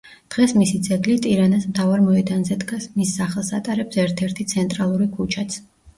დღეს მისი ძეგლი ტირანას მთავარ მოედანზე დგას, მის სახელს ატარებს ერთ-ერთი ცენტრალური ქუჩაც.